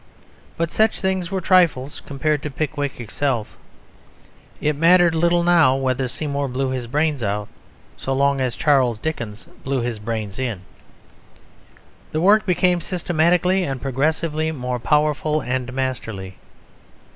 But such things were trifles compared to Pickwick itself. It mattered little now whether Seymour blew his brains out, so long as Charles Dickens blew his brains in. The work became systematically and progressively more powerful and masterly.